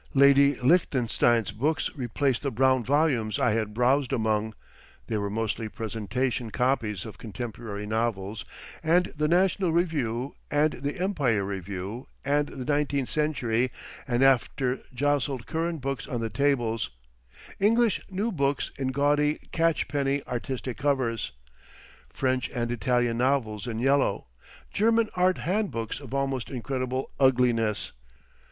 Lady Lichtenstein's books replaced the brown volumes I had browsed among—they were mostly presentation copies of contemporary novels and the National Review and the Empire Review, and the Nineteenth Century and After jostled current books on the tables—English new books in gaudy catchpenny "artistic" covers, French and Italian novels in yellow, German art handbooks of almost incredible ugliness.